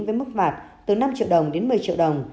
với mức phạt từ năm triệu đồng đến một mươi triệu đồng